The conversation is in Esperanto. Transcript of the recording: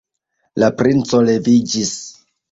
La princo leviĝis.